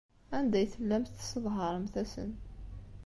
Anda ay tellamt tesseḍharemt-asen?